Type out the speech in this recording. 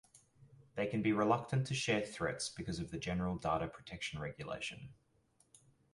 They can be reluctant to share threats because of the General Data Protection Regulation.